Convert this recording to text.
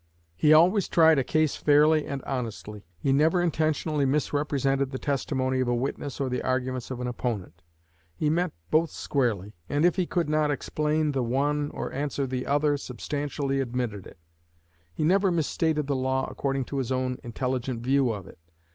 He always tried a case fairly and honestly. He never intentionally misrepresented the testimony of a witness or the arguments of an opponent. He met both squarely, and, if he could not explain the one or answer the other, substantially admitted it. He never misstated the law according to his own intelligent view of it.